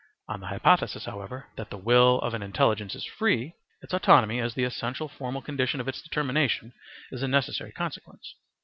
On the hypothesis, however, that the will of an intelligence is free, its autonomy, as the essential formal condition of its determination, is a necessary consequence.